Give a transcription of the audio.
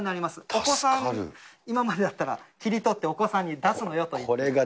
お子さん、今までだったら、切り取ってお子さんに出すのよと言っていたのが。